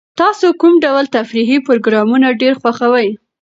تاسو کوم ډول تفریحي پروګرامونه ډېر خوښوئ؟